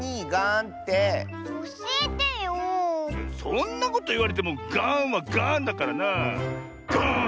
そんなこといわれてもガーンはガーンだからなあ。ガーン！